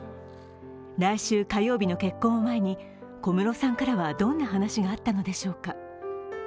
来週火曜日の結婚を前に、小室さんからはどんな話があったのでしょうか。